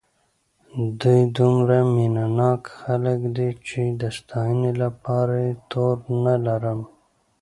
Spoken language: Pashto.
دوی دومره مینه ناک خلک دي چې د ستاینې لپاره یې توري نه لرم.